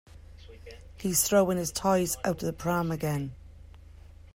He’s throwing his toys out the pram again